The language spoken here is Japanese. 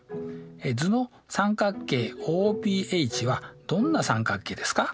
図の三角形ＯＰＨはどんな三角形ですか？